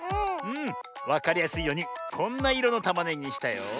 わかりやすいようにこんないろのたまねぎにしたよ。